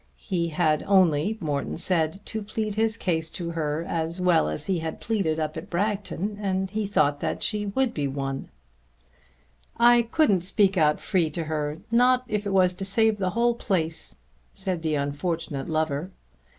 He had only, Morton said, to plead his case to her as well as he had pleaded up at Bragton and he thought that she would be won. "I couldn't speak out free to her, not if it was to save the whole place," said the unfortunate lover.